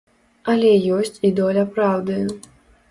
Але ёсць і доля праўды.